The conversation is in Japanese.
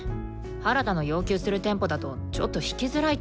原田の要求するテンポだとちょっと弾きづらいっていうか。